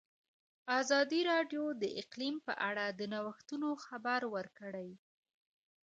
ازادي راډیو د اقلیم په اړه د نوښتونو خبر ورکړی.